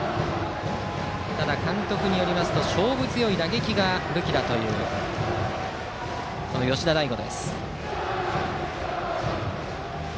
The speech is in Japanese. ただ、監督によりますと勝負強い打撃が武器だという吉田大吾。